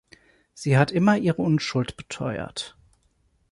Sie hat immer ihre Unschuld beteuert.